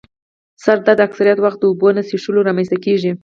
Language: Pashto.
سر درد اکثره وخت د اوبو نه څیښلو رامنځته کېږي.